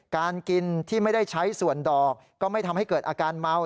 การกินที่ไม่ได้ใช้ส่วนดอกก็ไม่ทำให้เกิดอาการเมา